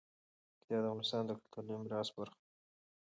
پکتیکا د افغانستان د کلتوري میراث برخه ده.